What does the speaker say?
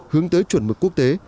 hướng tới chuẩn mực quốc tế